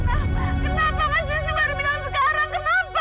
kenapa kenapa mas justru baru bilang sekarang kenapa